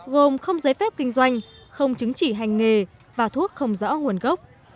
gồm không giấy phép kinh doanh không chứng chỉ hành nghề và thuốc không rõ nguồn gốc